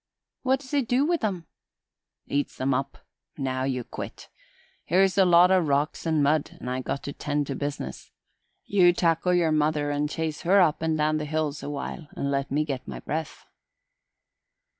"What does he do with 'em?" "Eats 'em up. Now you quit. Here's a lot o' rocks and mud and I got to tend to business. You tackle yer mother and chase her up and down the hills a while and let me get my breath."